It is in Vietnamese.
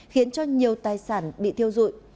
khiến cho nhiều tài sản bị thiêu dụi